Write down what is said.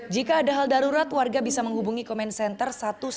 jika ada hal darurat warga bisa menghubungi comment center satu ratus dua belas